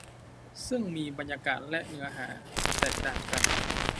ซึ่งมีบรรยากาศและเนื้อหาแตกต่างกัน